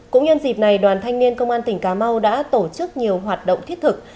cũng nhân dịp này đoàn thanh niên công an tỉnh cà mau đã tổ chức nhiều hoạt động thiết thực